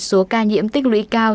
số ca nhiễm tích lũy cao